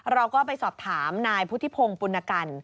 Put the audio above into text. เราก็ไปสอบถามนายพุทธิพงศ์ปุณกัน